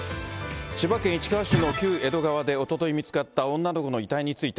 千葉県市川市の旧江戸川でおととい見つかった女の子の遺体につい